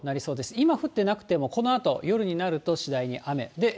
今、降っていなくても、このあと夜になると次第に雨。